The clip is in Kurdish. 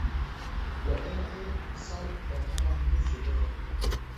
Li Êlihê îsal berhema hingiv zêde ye.